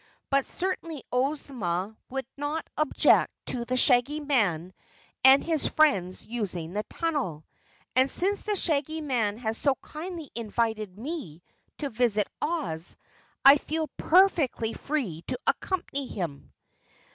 "But certainly Ozma would not object to the Shaggy Man and his friends using the tunnel. And since the Shaggy Man has so kindly invited me to visit Oz, I feel perfectly free to accompany him."